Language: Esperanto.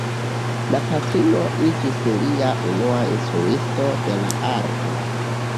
La patrino iĝis lia unua instruisto de la arto.